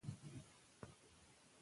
که اصلاح ونه سي ستونزې پاتې کېږي.